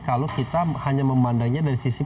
kalau kita hanya memandangnya dari sisi